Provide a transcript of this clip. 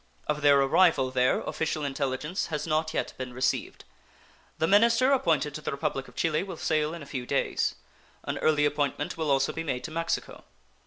Of their arrival there official intelligence has not yet been received. The minister appointed to the Republic of Chile will sail in a few days. An early appointment will also be made to Mexico.